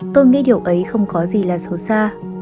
tôi nghĩ điều ấy không có gì là xấu xa